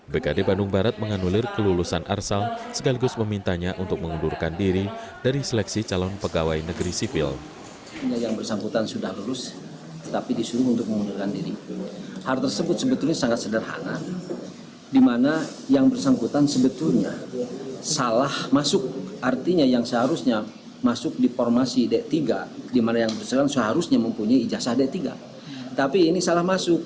bkd bandung barat menganulir kelulusan arsal sekaligus memintanya untuk mengundurkan diri dari seleksi calon pegawai negeri sipil